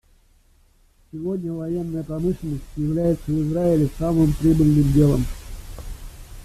Сегодня военная промышленность является в Израиле самым прибыльным делом.